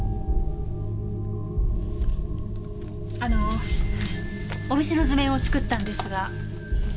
あのお店の図面を作ったんですが。